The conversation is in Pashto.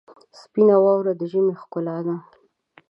سپینه واوره د ژمي ښکلا ده.